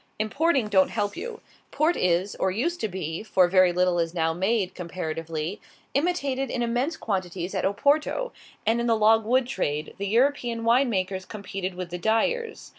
Importing don't help you. Port is or used to be, for very little is now made, comparatively imitated in immense quantities at Oporto; and in the log wood trade, the European wine makers competed with the dyers.